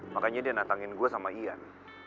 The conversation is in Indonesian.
makanya dia natangin gua sama ian